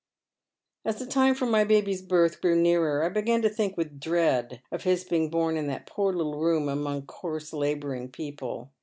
" As the time for my baby's birth drew nearer, I began to think with dread of his being bom in that poor little room among' coarse labouring people.